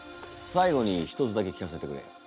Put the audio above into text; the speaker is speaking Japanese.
最後に一つだけ聞かせてくれ。